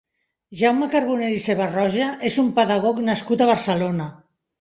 Jaume Carbonell i Sebarroja és un pedagog nascut a Barcelona.